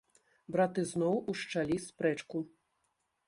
Браты зноў усчалі спрэчку.